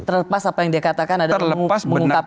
terlepas apa yang dia katakan mengungkapkan kebenaran